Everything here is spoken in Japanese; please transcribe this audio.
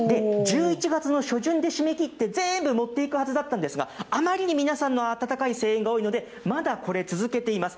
１１月の初旬で締め切って全部持っていくはずだったんですが、あまりに皆さんの温かい声援が多いので、まだこれ続けています。